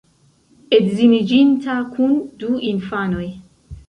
Edziniĝinta, kun du infanoj.